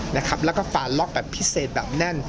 แล้วก็ฝ่าล็อกแบบพิเศษแบบแน่น